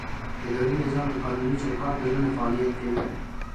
اداري نظام د قانوني چوکاټ دننه فعالیت کوي.